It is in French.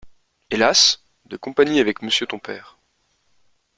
Hélas ! de compagnie avec monsieur ton père…